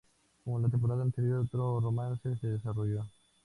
Como la temporada anterior, otro romance se desarrolló.